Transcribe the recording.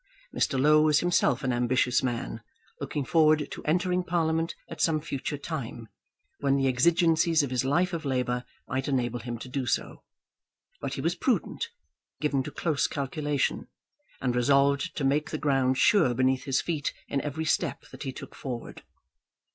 Mr. Low was himself an ambitious man, looking forward to entering Parliament at some future time, when the exigencies of his life of labour might enable him to do so; but he was prudent, given to close calculation, and resolved to make the ground sure beneath his feet in every step that he took forward.